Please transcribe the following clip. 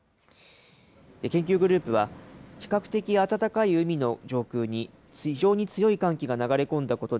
研究グループは、比較的暖かい海の上空に非常に強い寒気が流れ込んだことで、